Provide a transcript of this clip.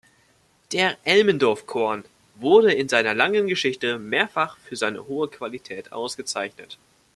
Der Elmendorf Korn wurde in seiner langen Geschichte mehrfach für seine hohe Qualität ausgezeichnet.